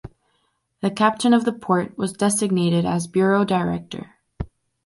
The Captain of the Port was designated as Bureau Director.